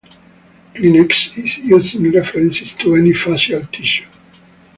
Kleenex is used in reference to any facial tissue.